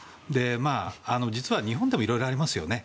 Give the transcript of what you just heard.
実は日本でも色々ありますよね。